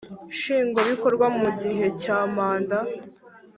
Nshingwa bikorwa mu gihe cya manda